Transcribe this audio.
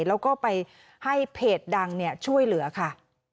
แล้วก็ไปให้เพจดังช่วยเหลือค่ะ